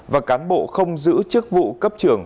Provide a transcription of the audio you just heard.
và cán bộ không giữ chức vụ cấp trưởng